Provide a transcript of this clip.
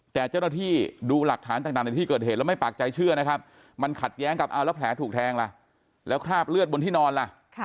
แต่เจ้าหน้าที่ดูหลักฐานต่างในที่เกิดเหตุแล้วไม่ปากใจเชื่อนะครับมันขัดแย้งกับเอาแล้วแผลถูกแทงล่ะแล้วคราบเลือดบนที่นอนล่ะ